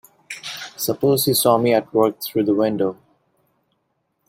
Suppose you saw me at work through the window.